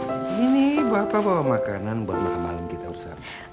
ini nih bapak bawa makanan buat makan malam kita ustaz